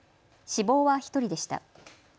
死亡は１人でした。